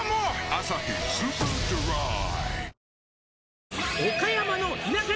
「アサヒスーパードライ」